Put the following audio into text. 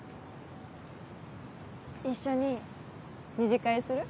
一緒に二次会する？